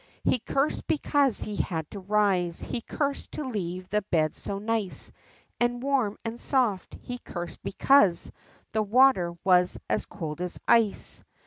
He cursed because he had to rise, he cursed to leave the bed so nice, And warm, and soft, he cursed because the water was as cold as ice.